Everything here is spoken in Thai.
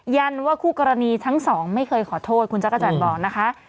ันว่าคู่กรณีทั้งสองไม่เคยขอโทษคุณจักรจันทร์บอกนะคะ